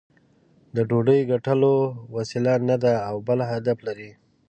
د ډوډۍ ګټلو وسیله نه ده او بل هدف لري.